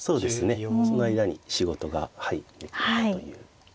その間に仕事ができればという。